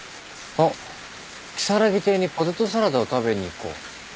あっ如月亭にポテトサラダを食べに行こう。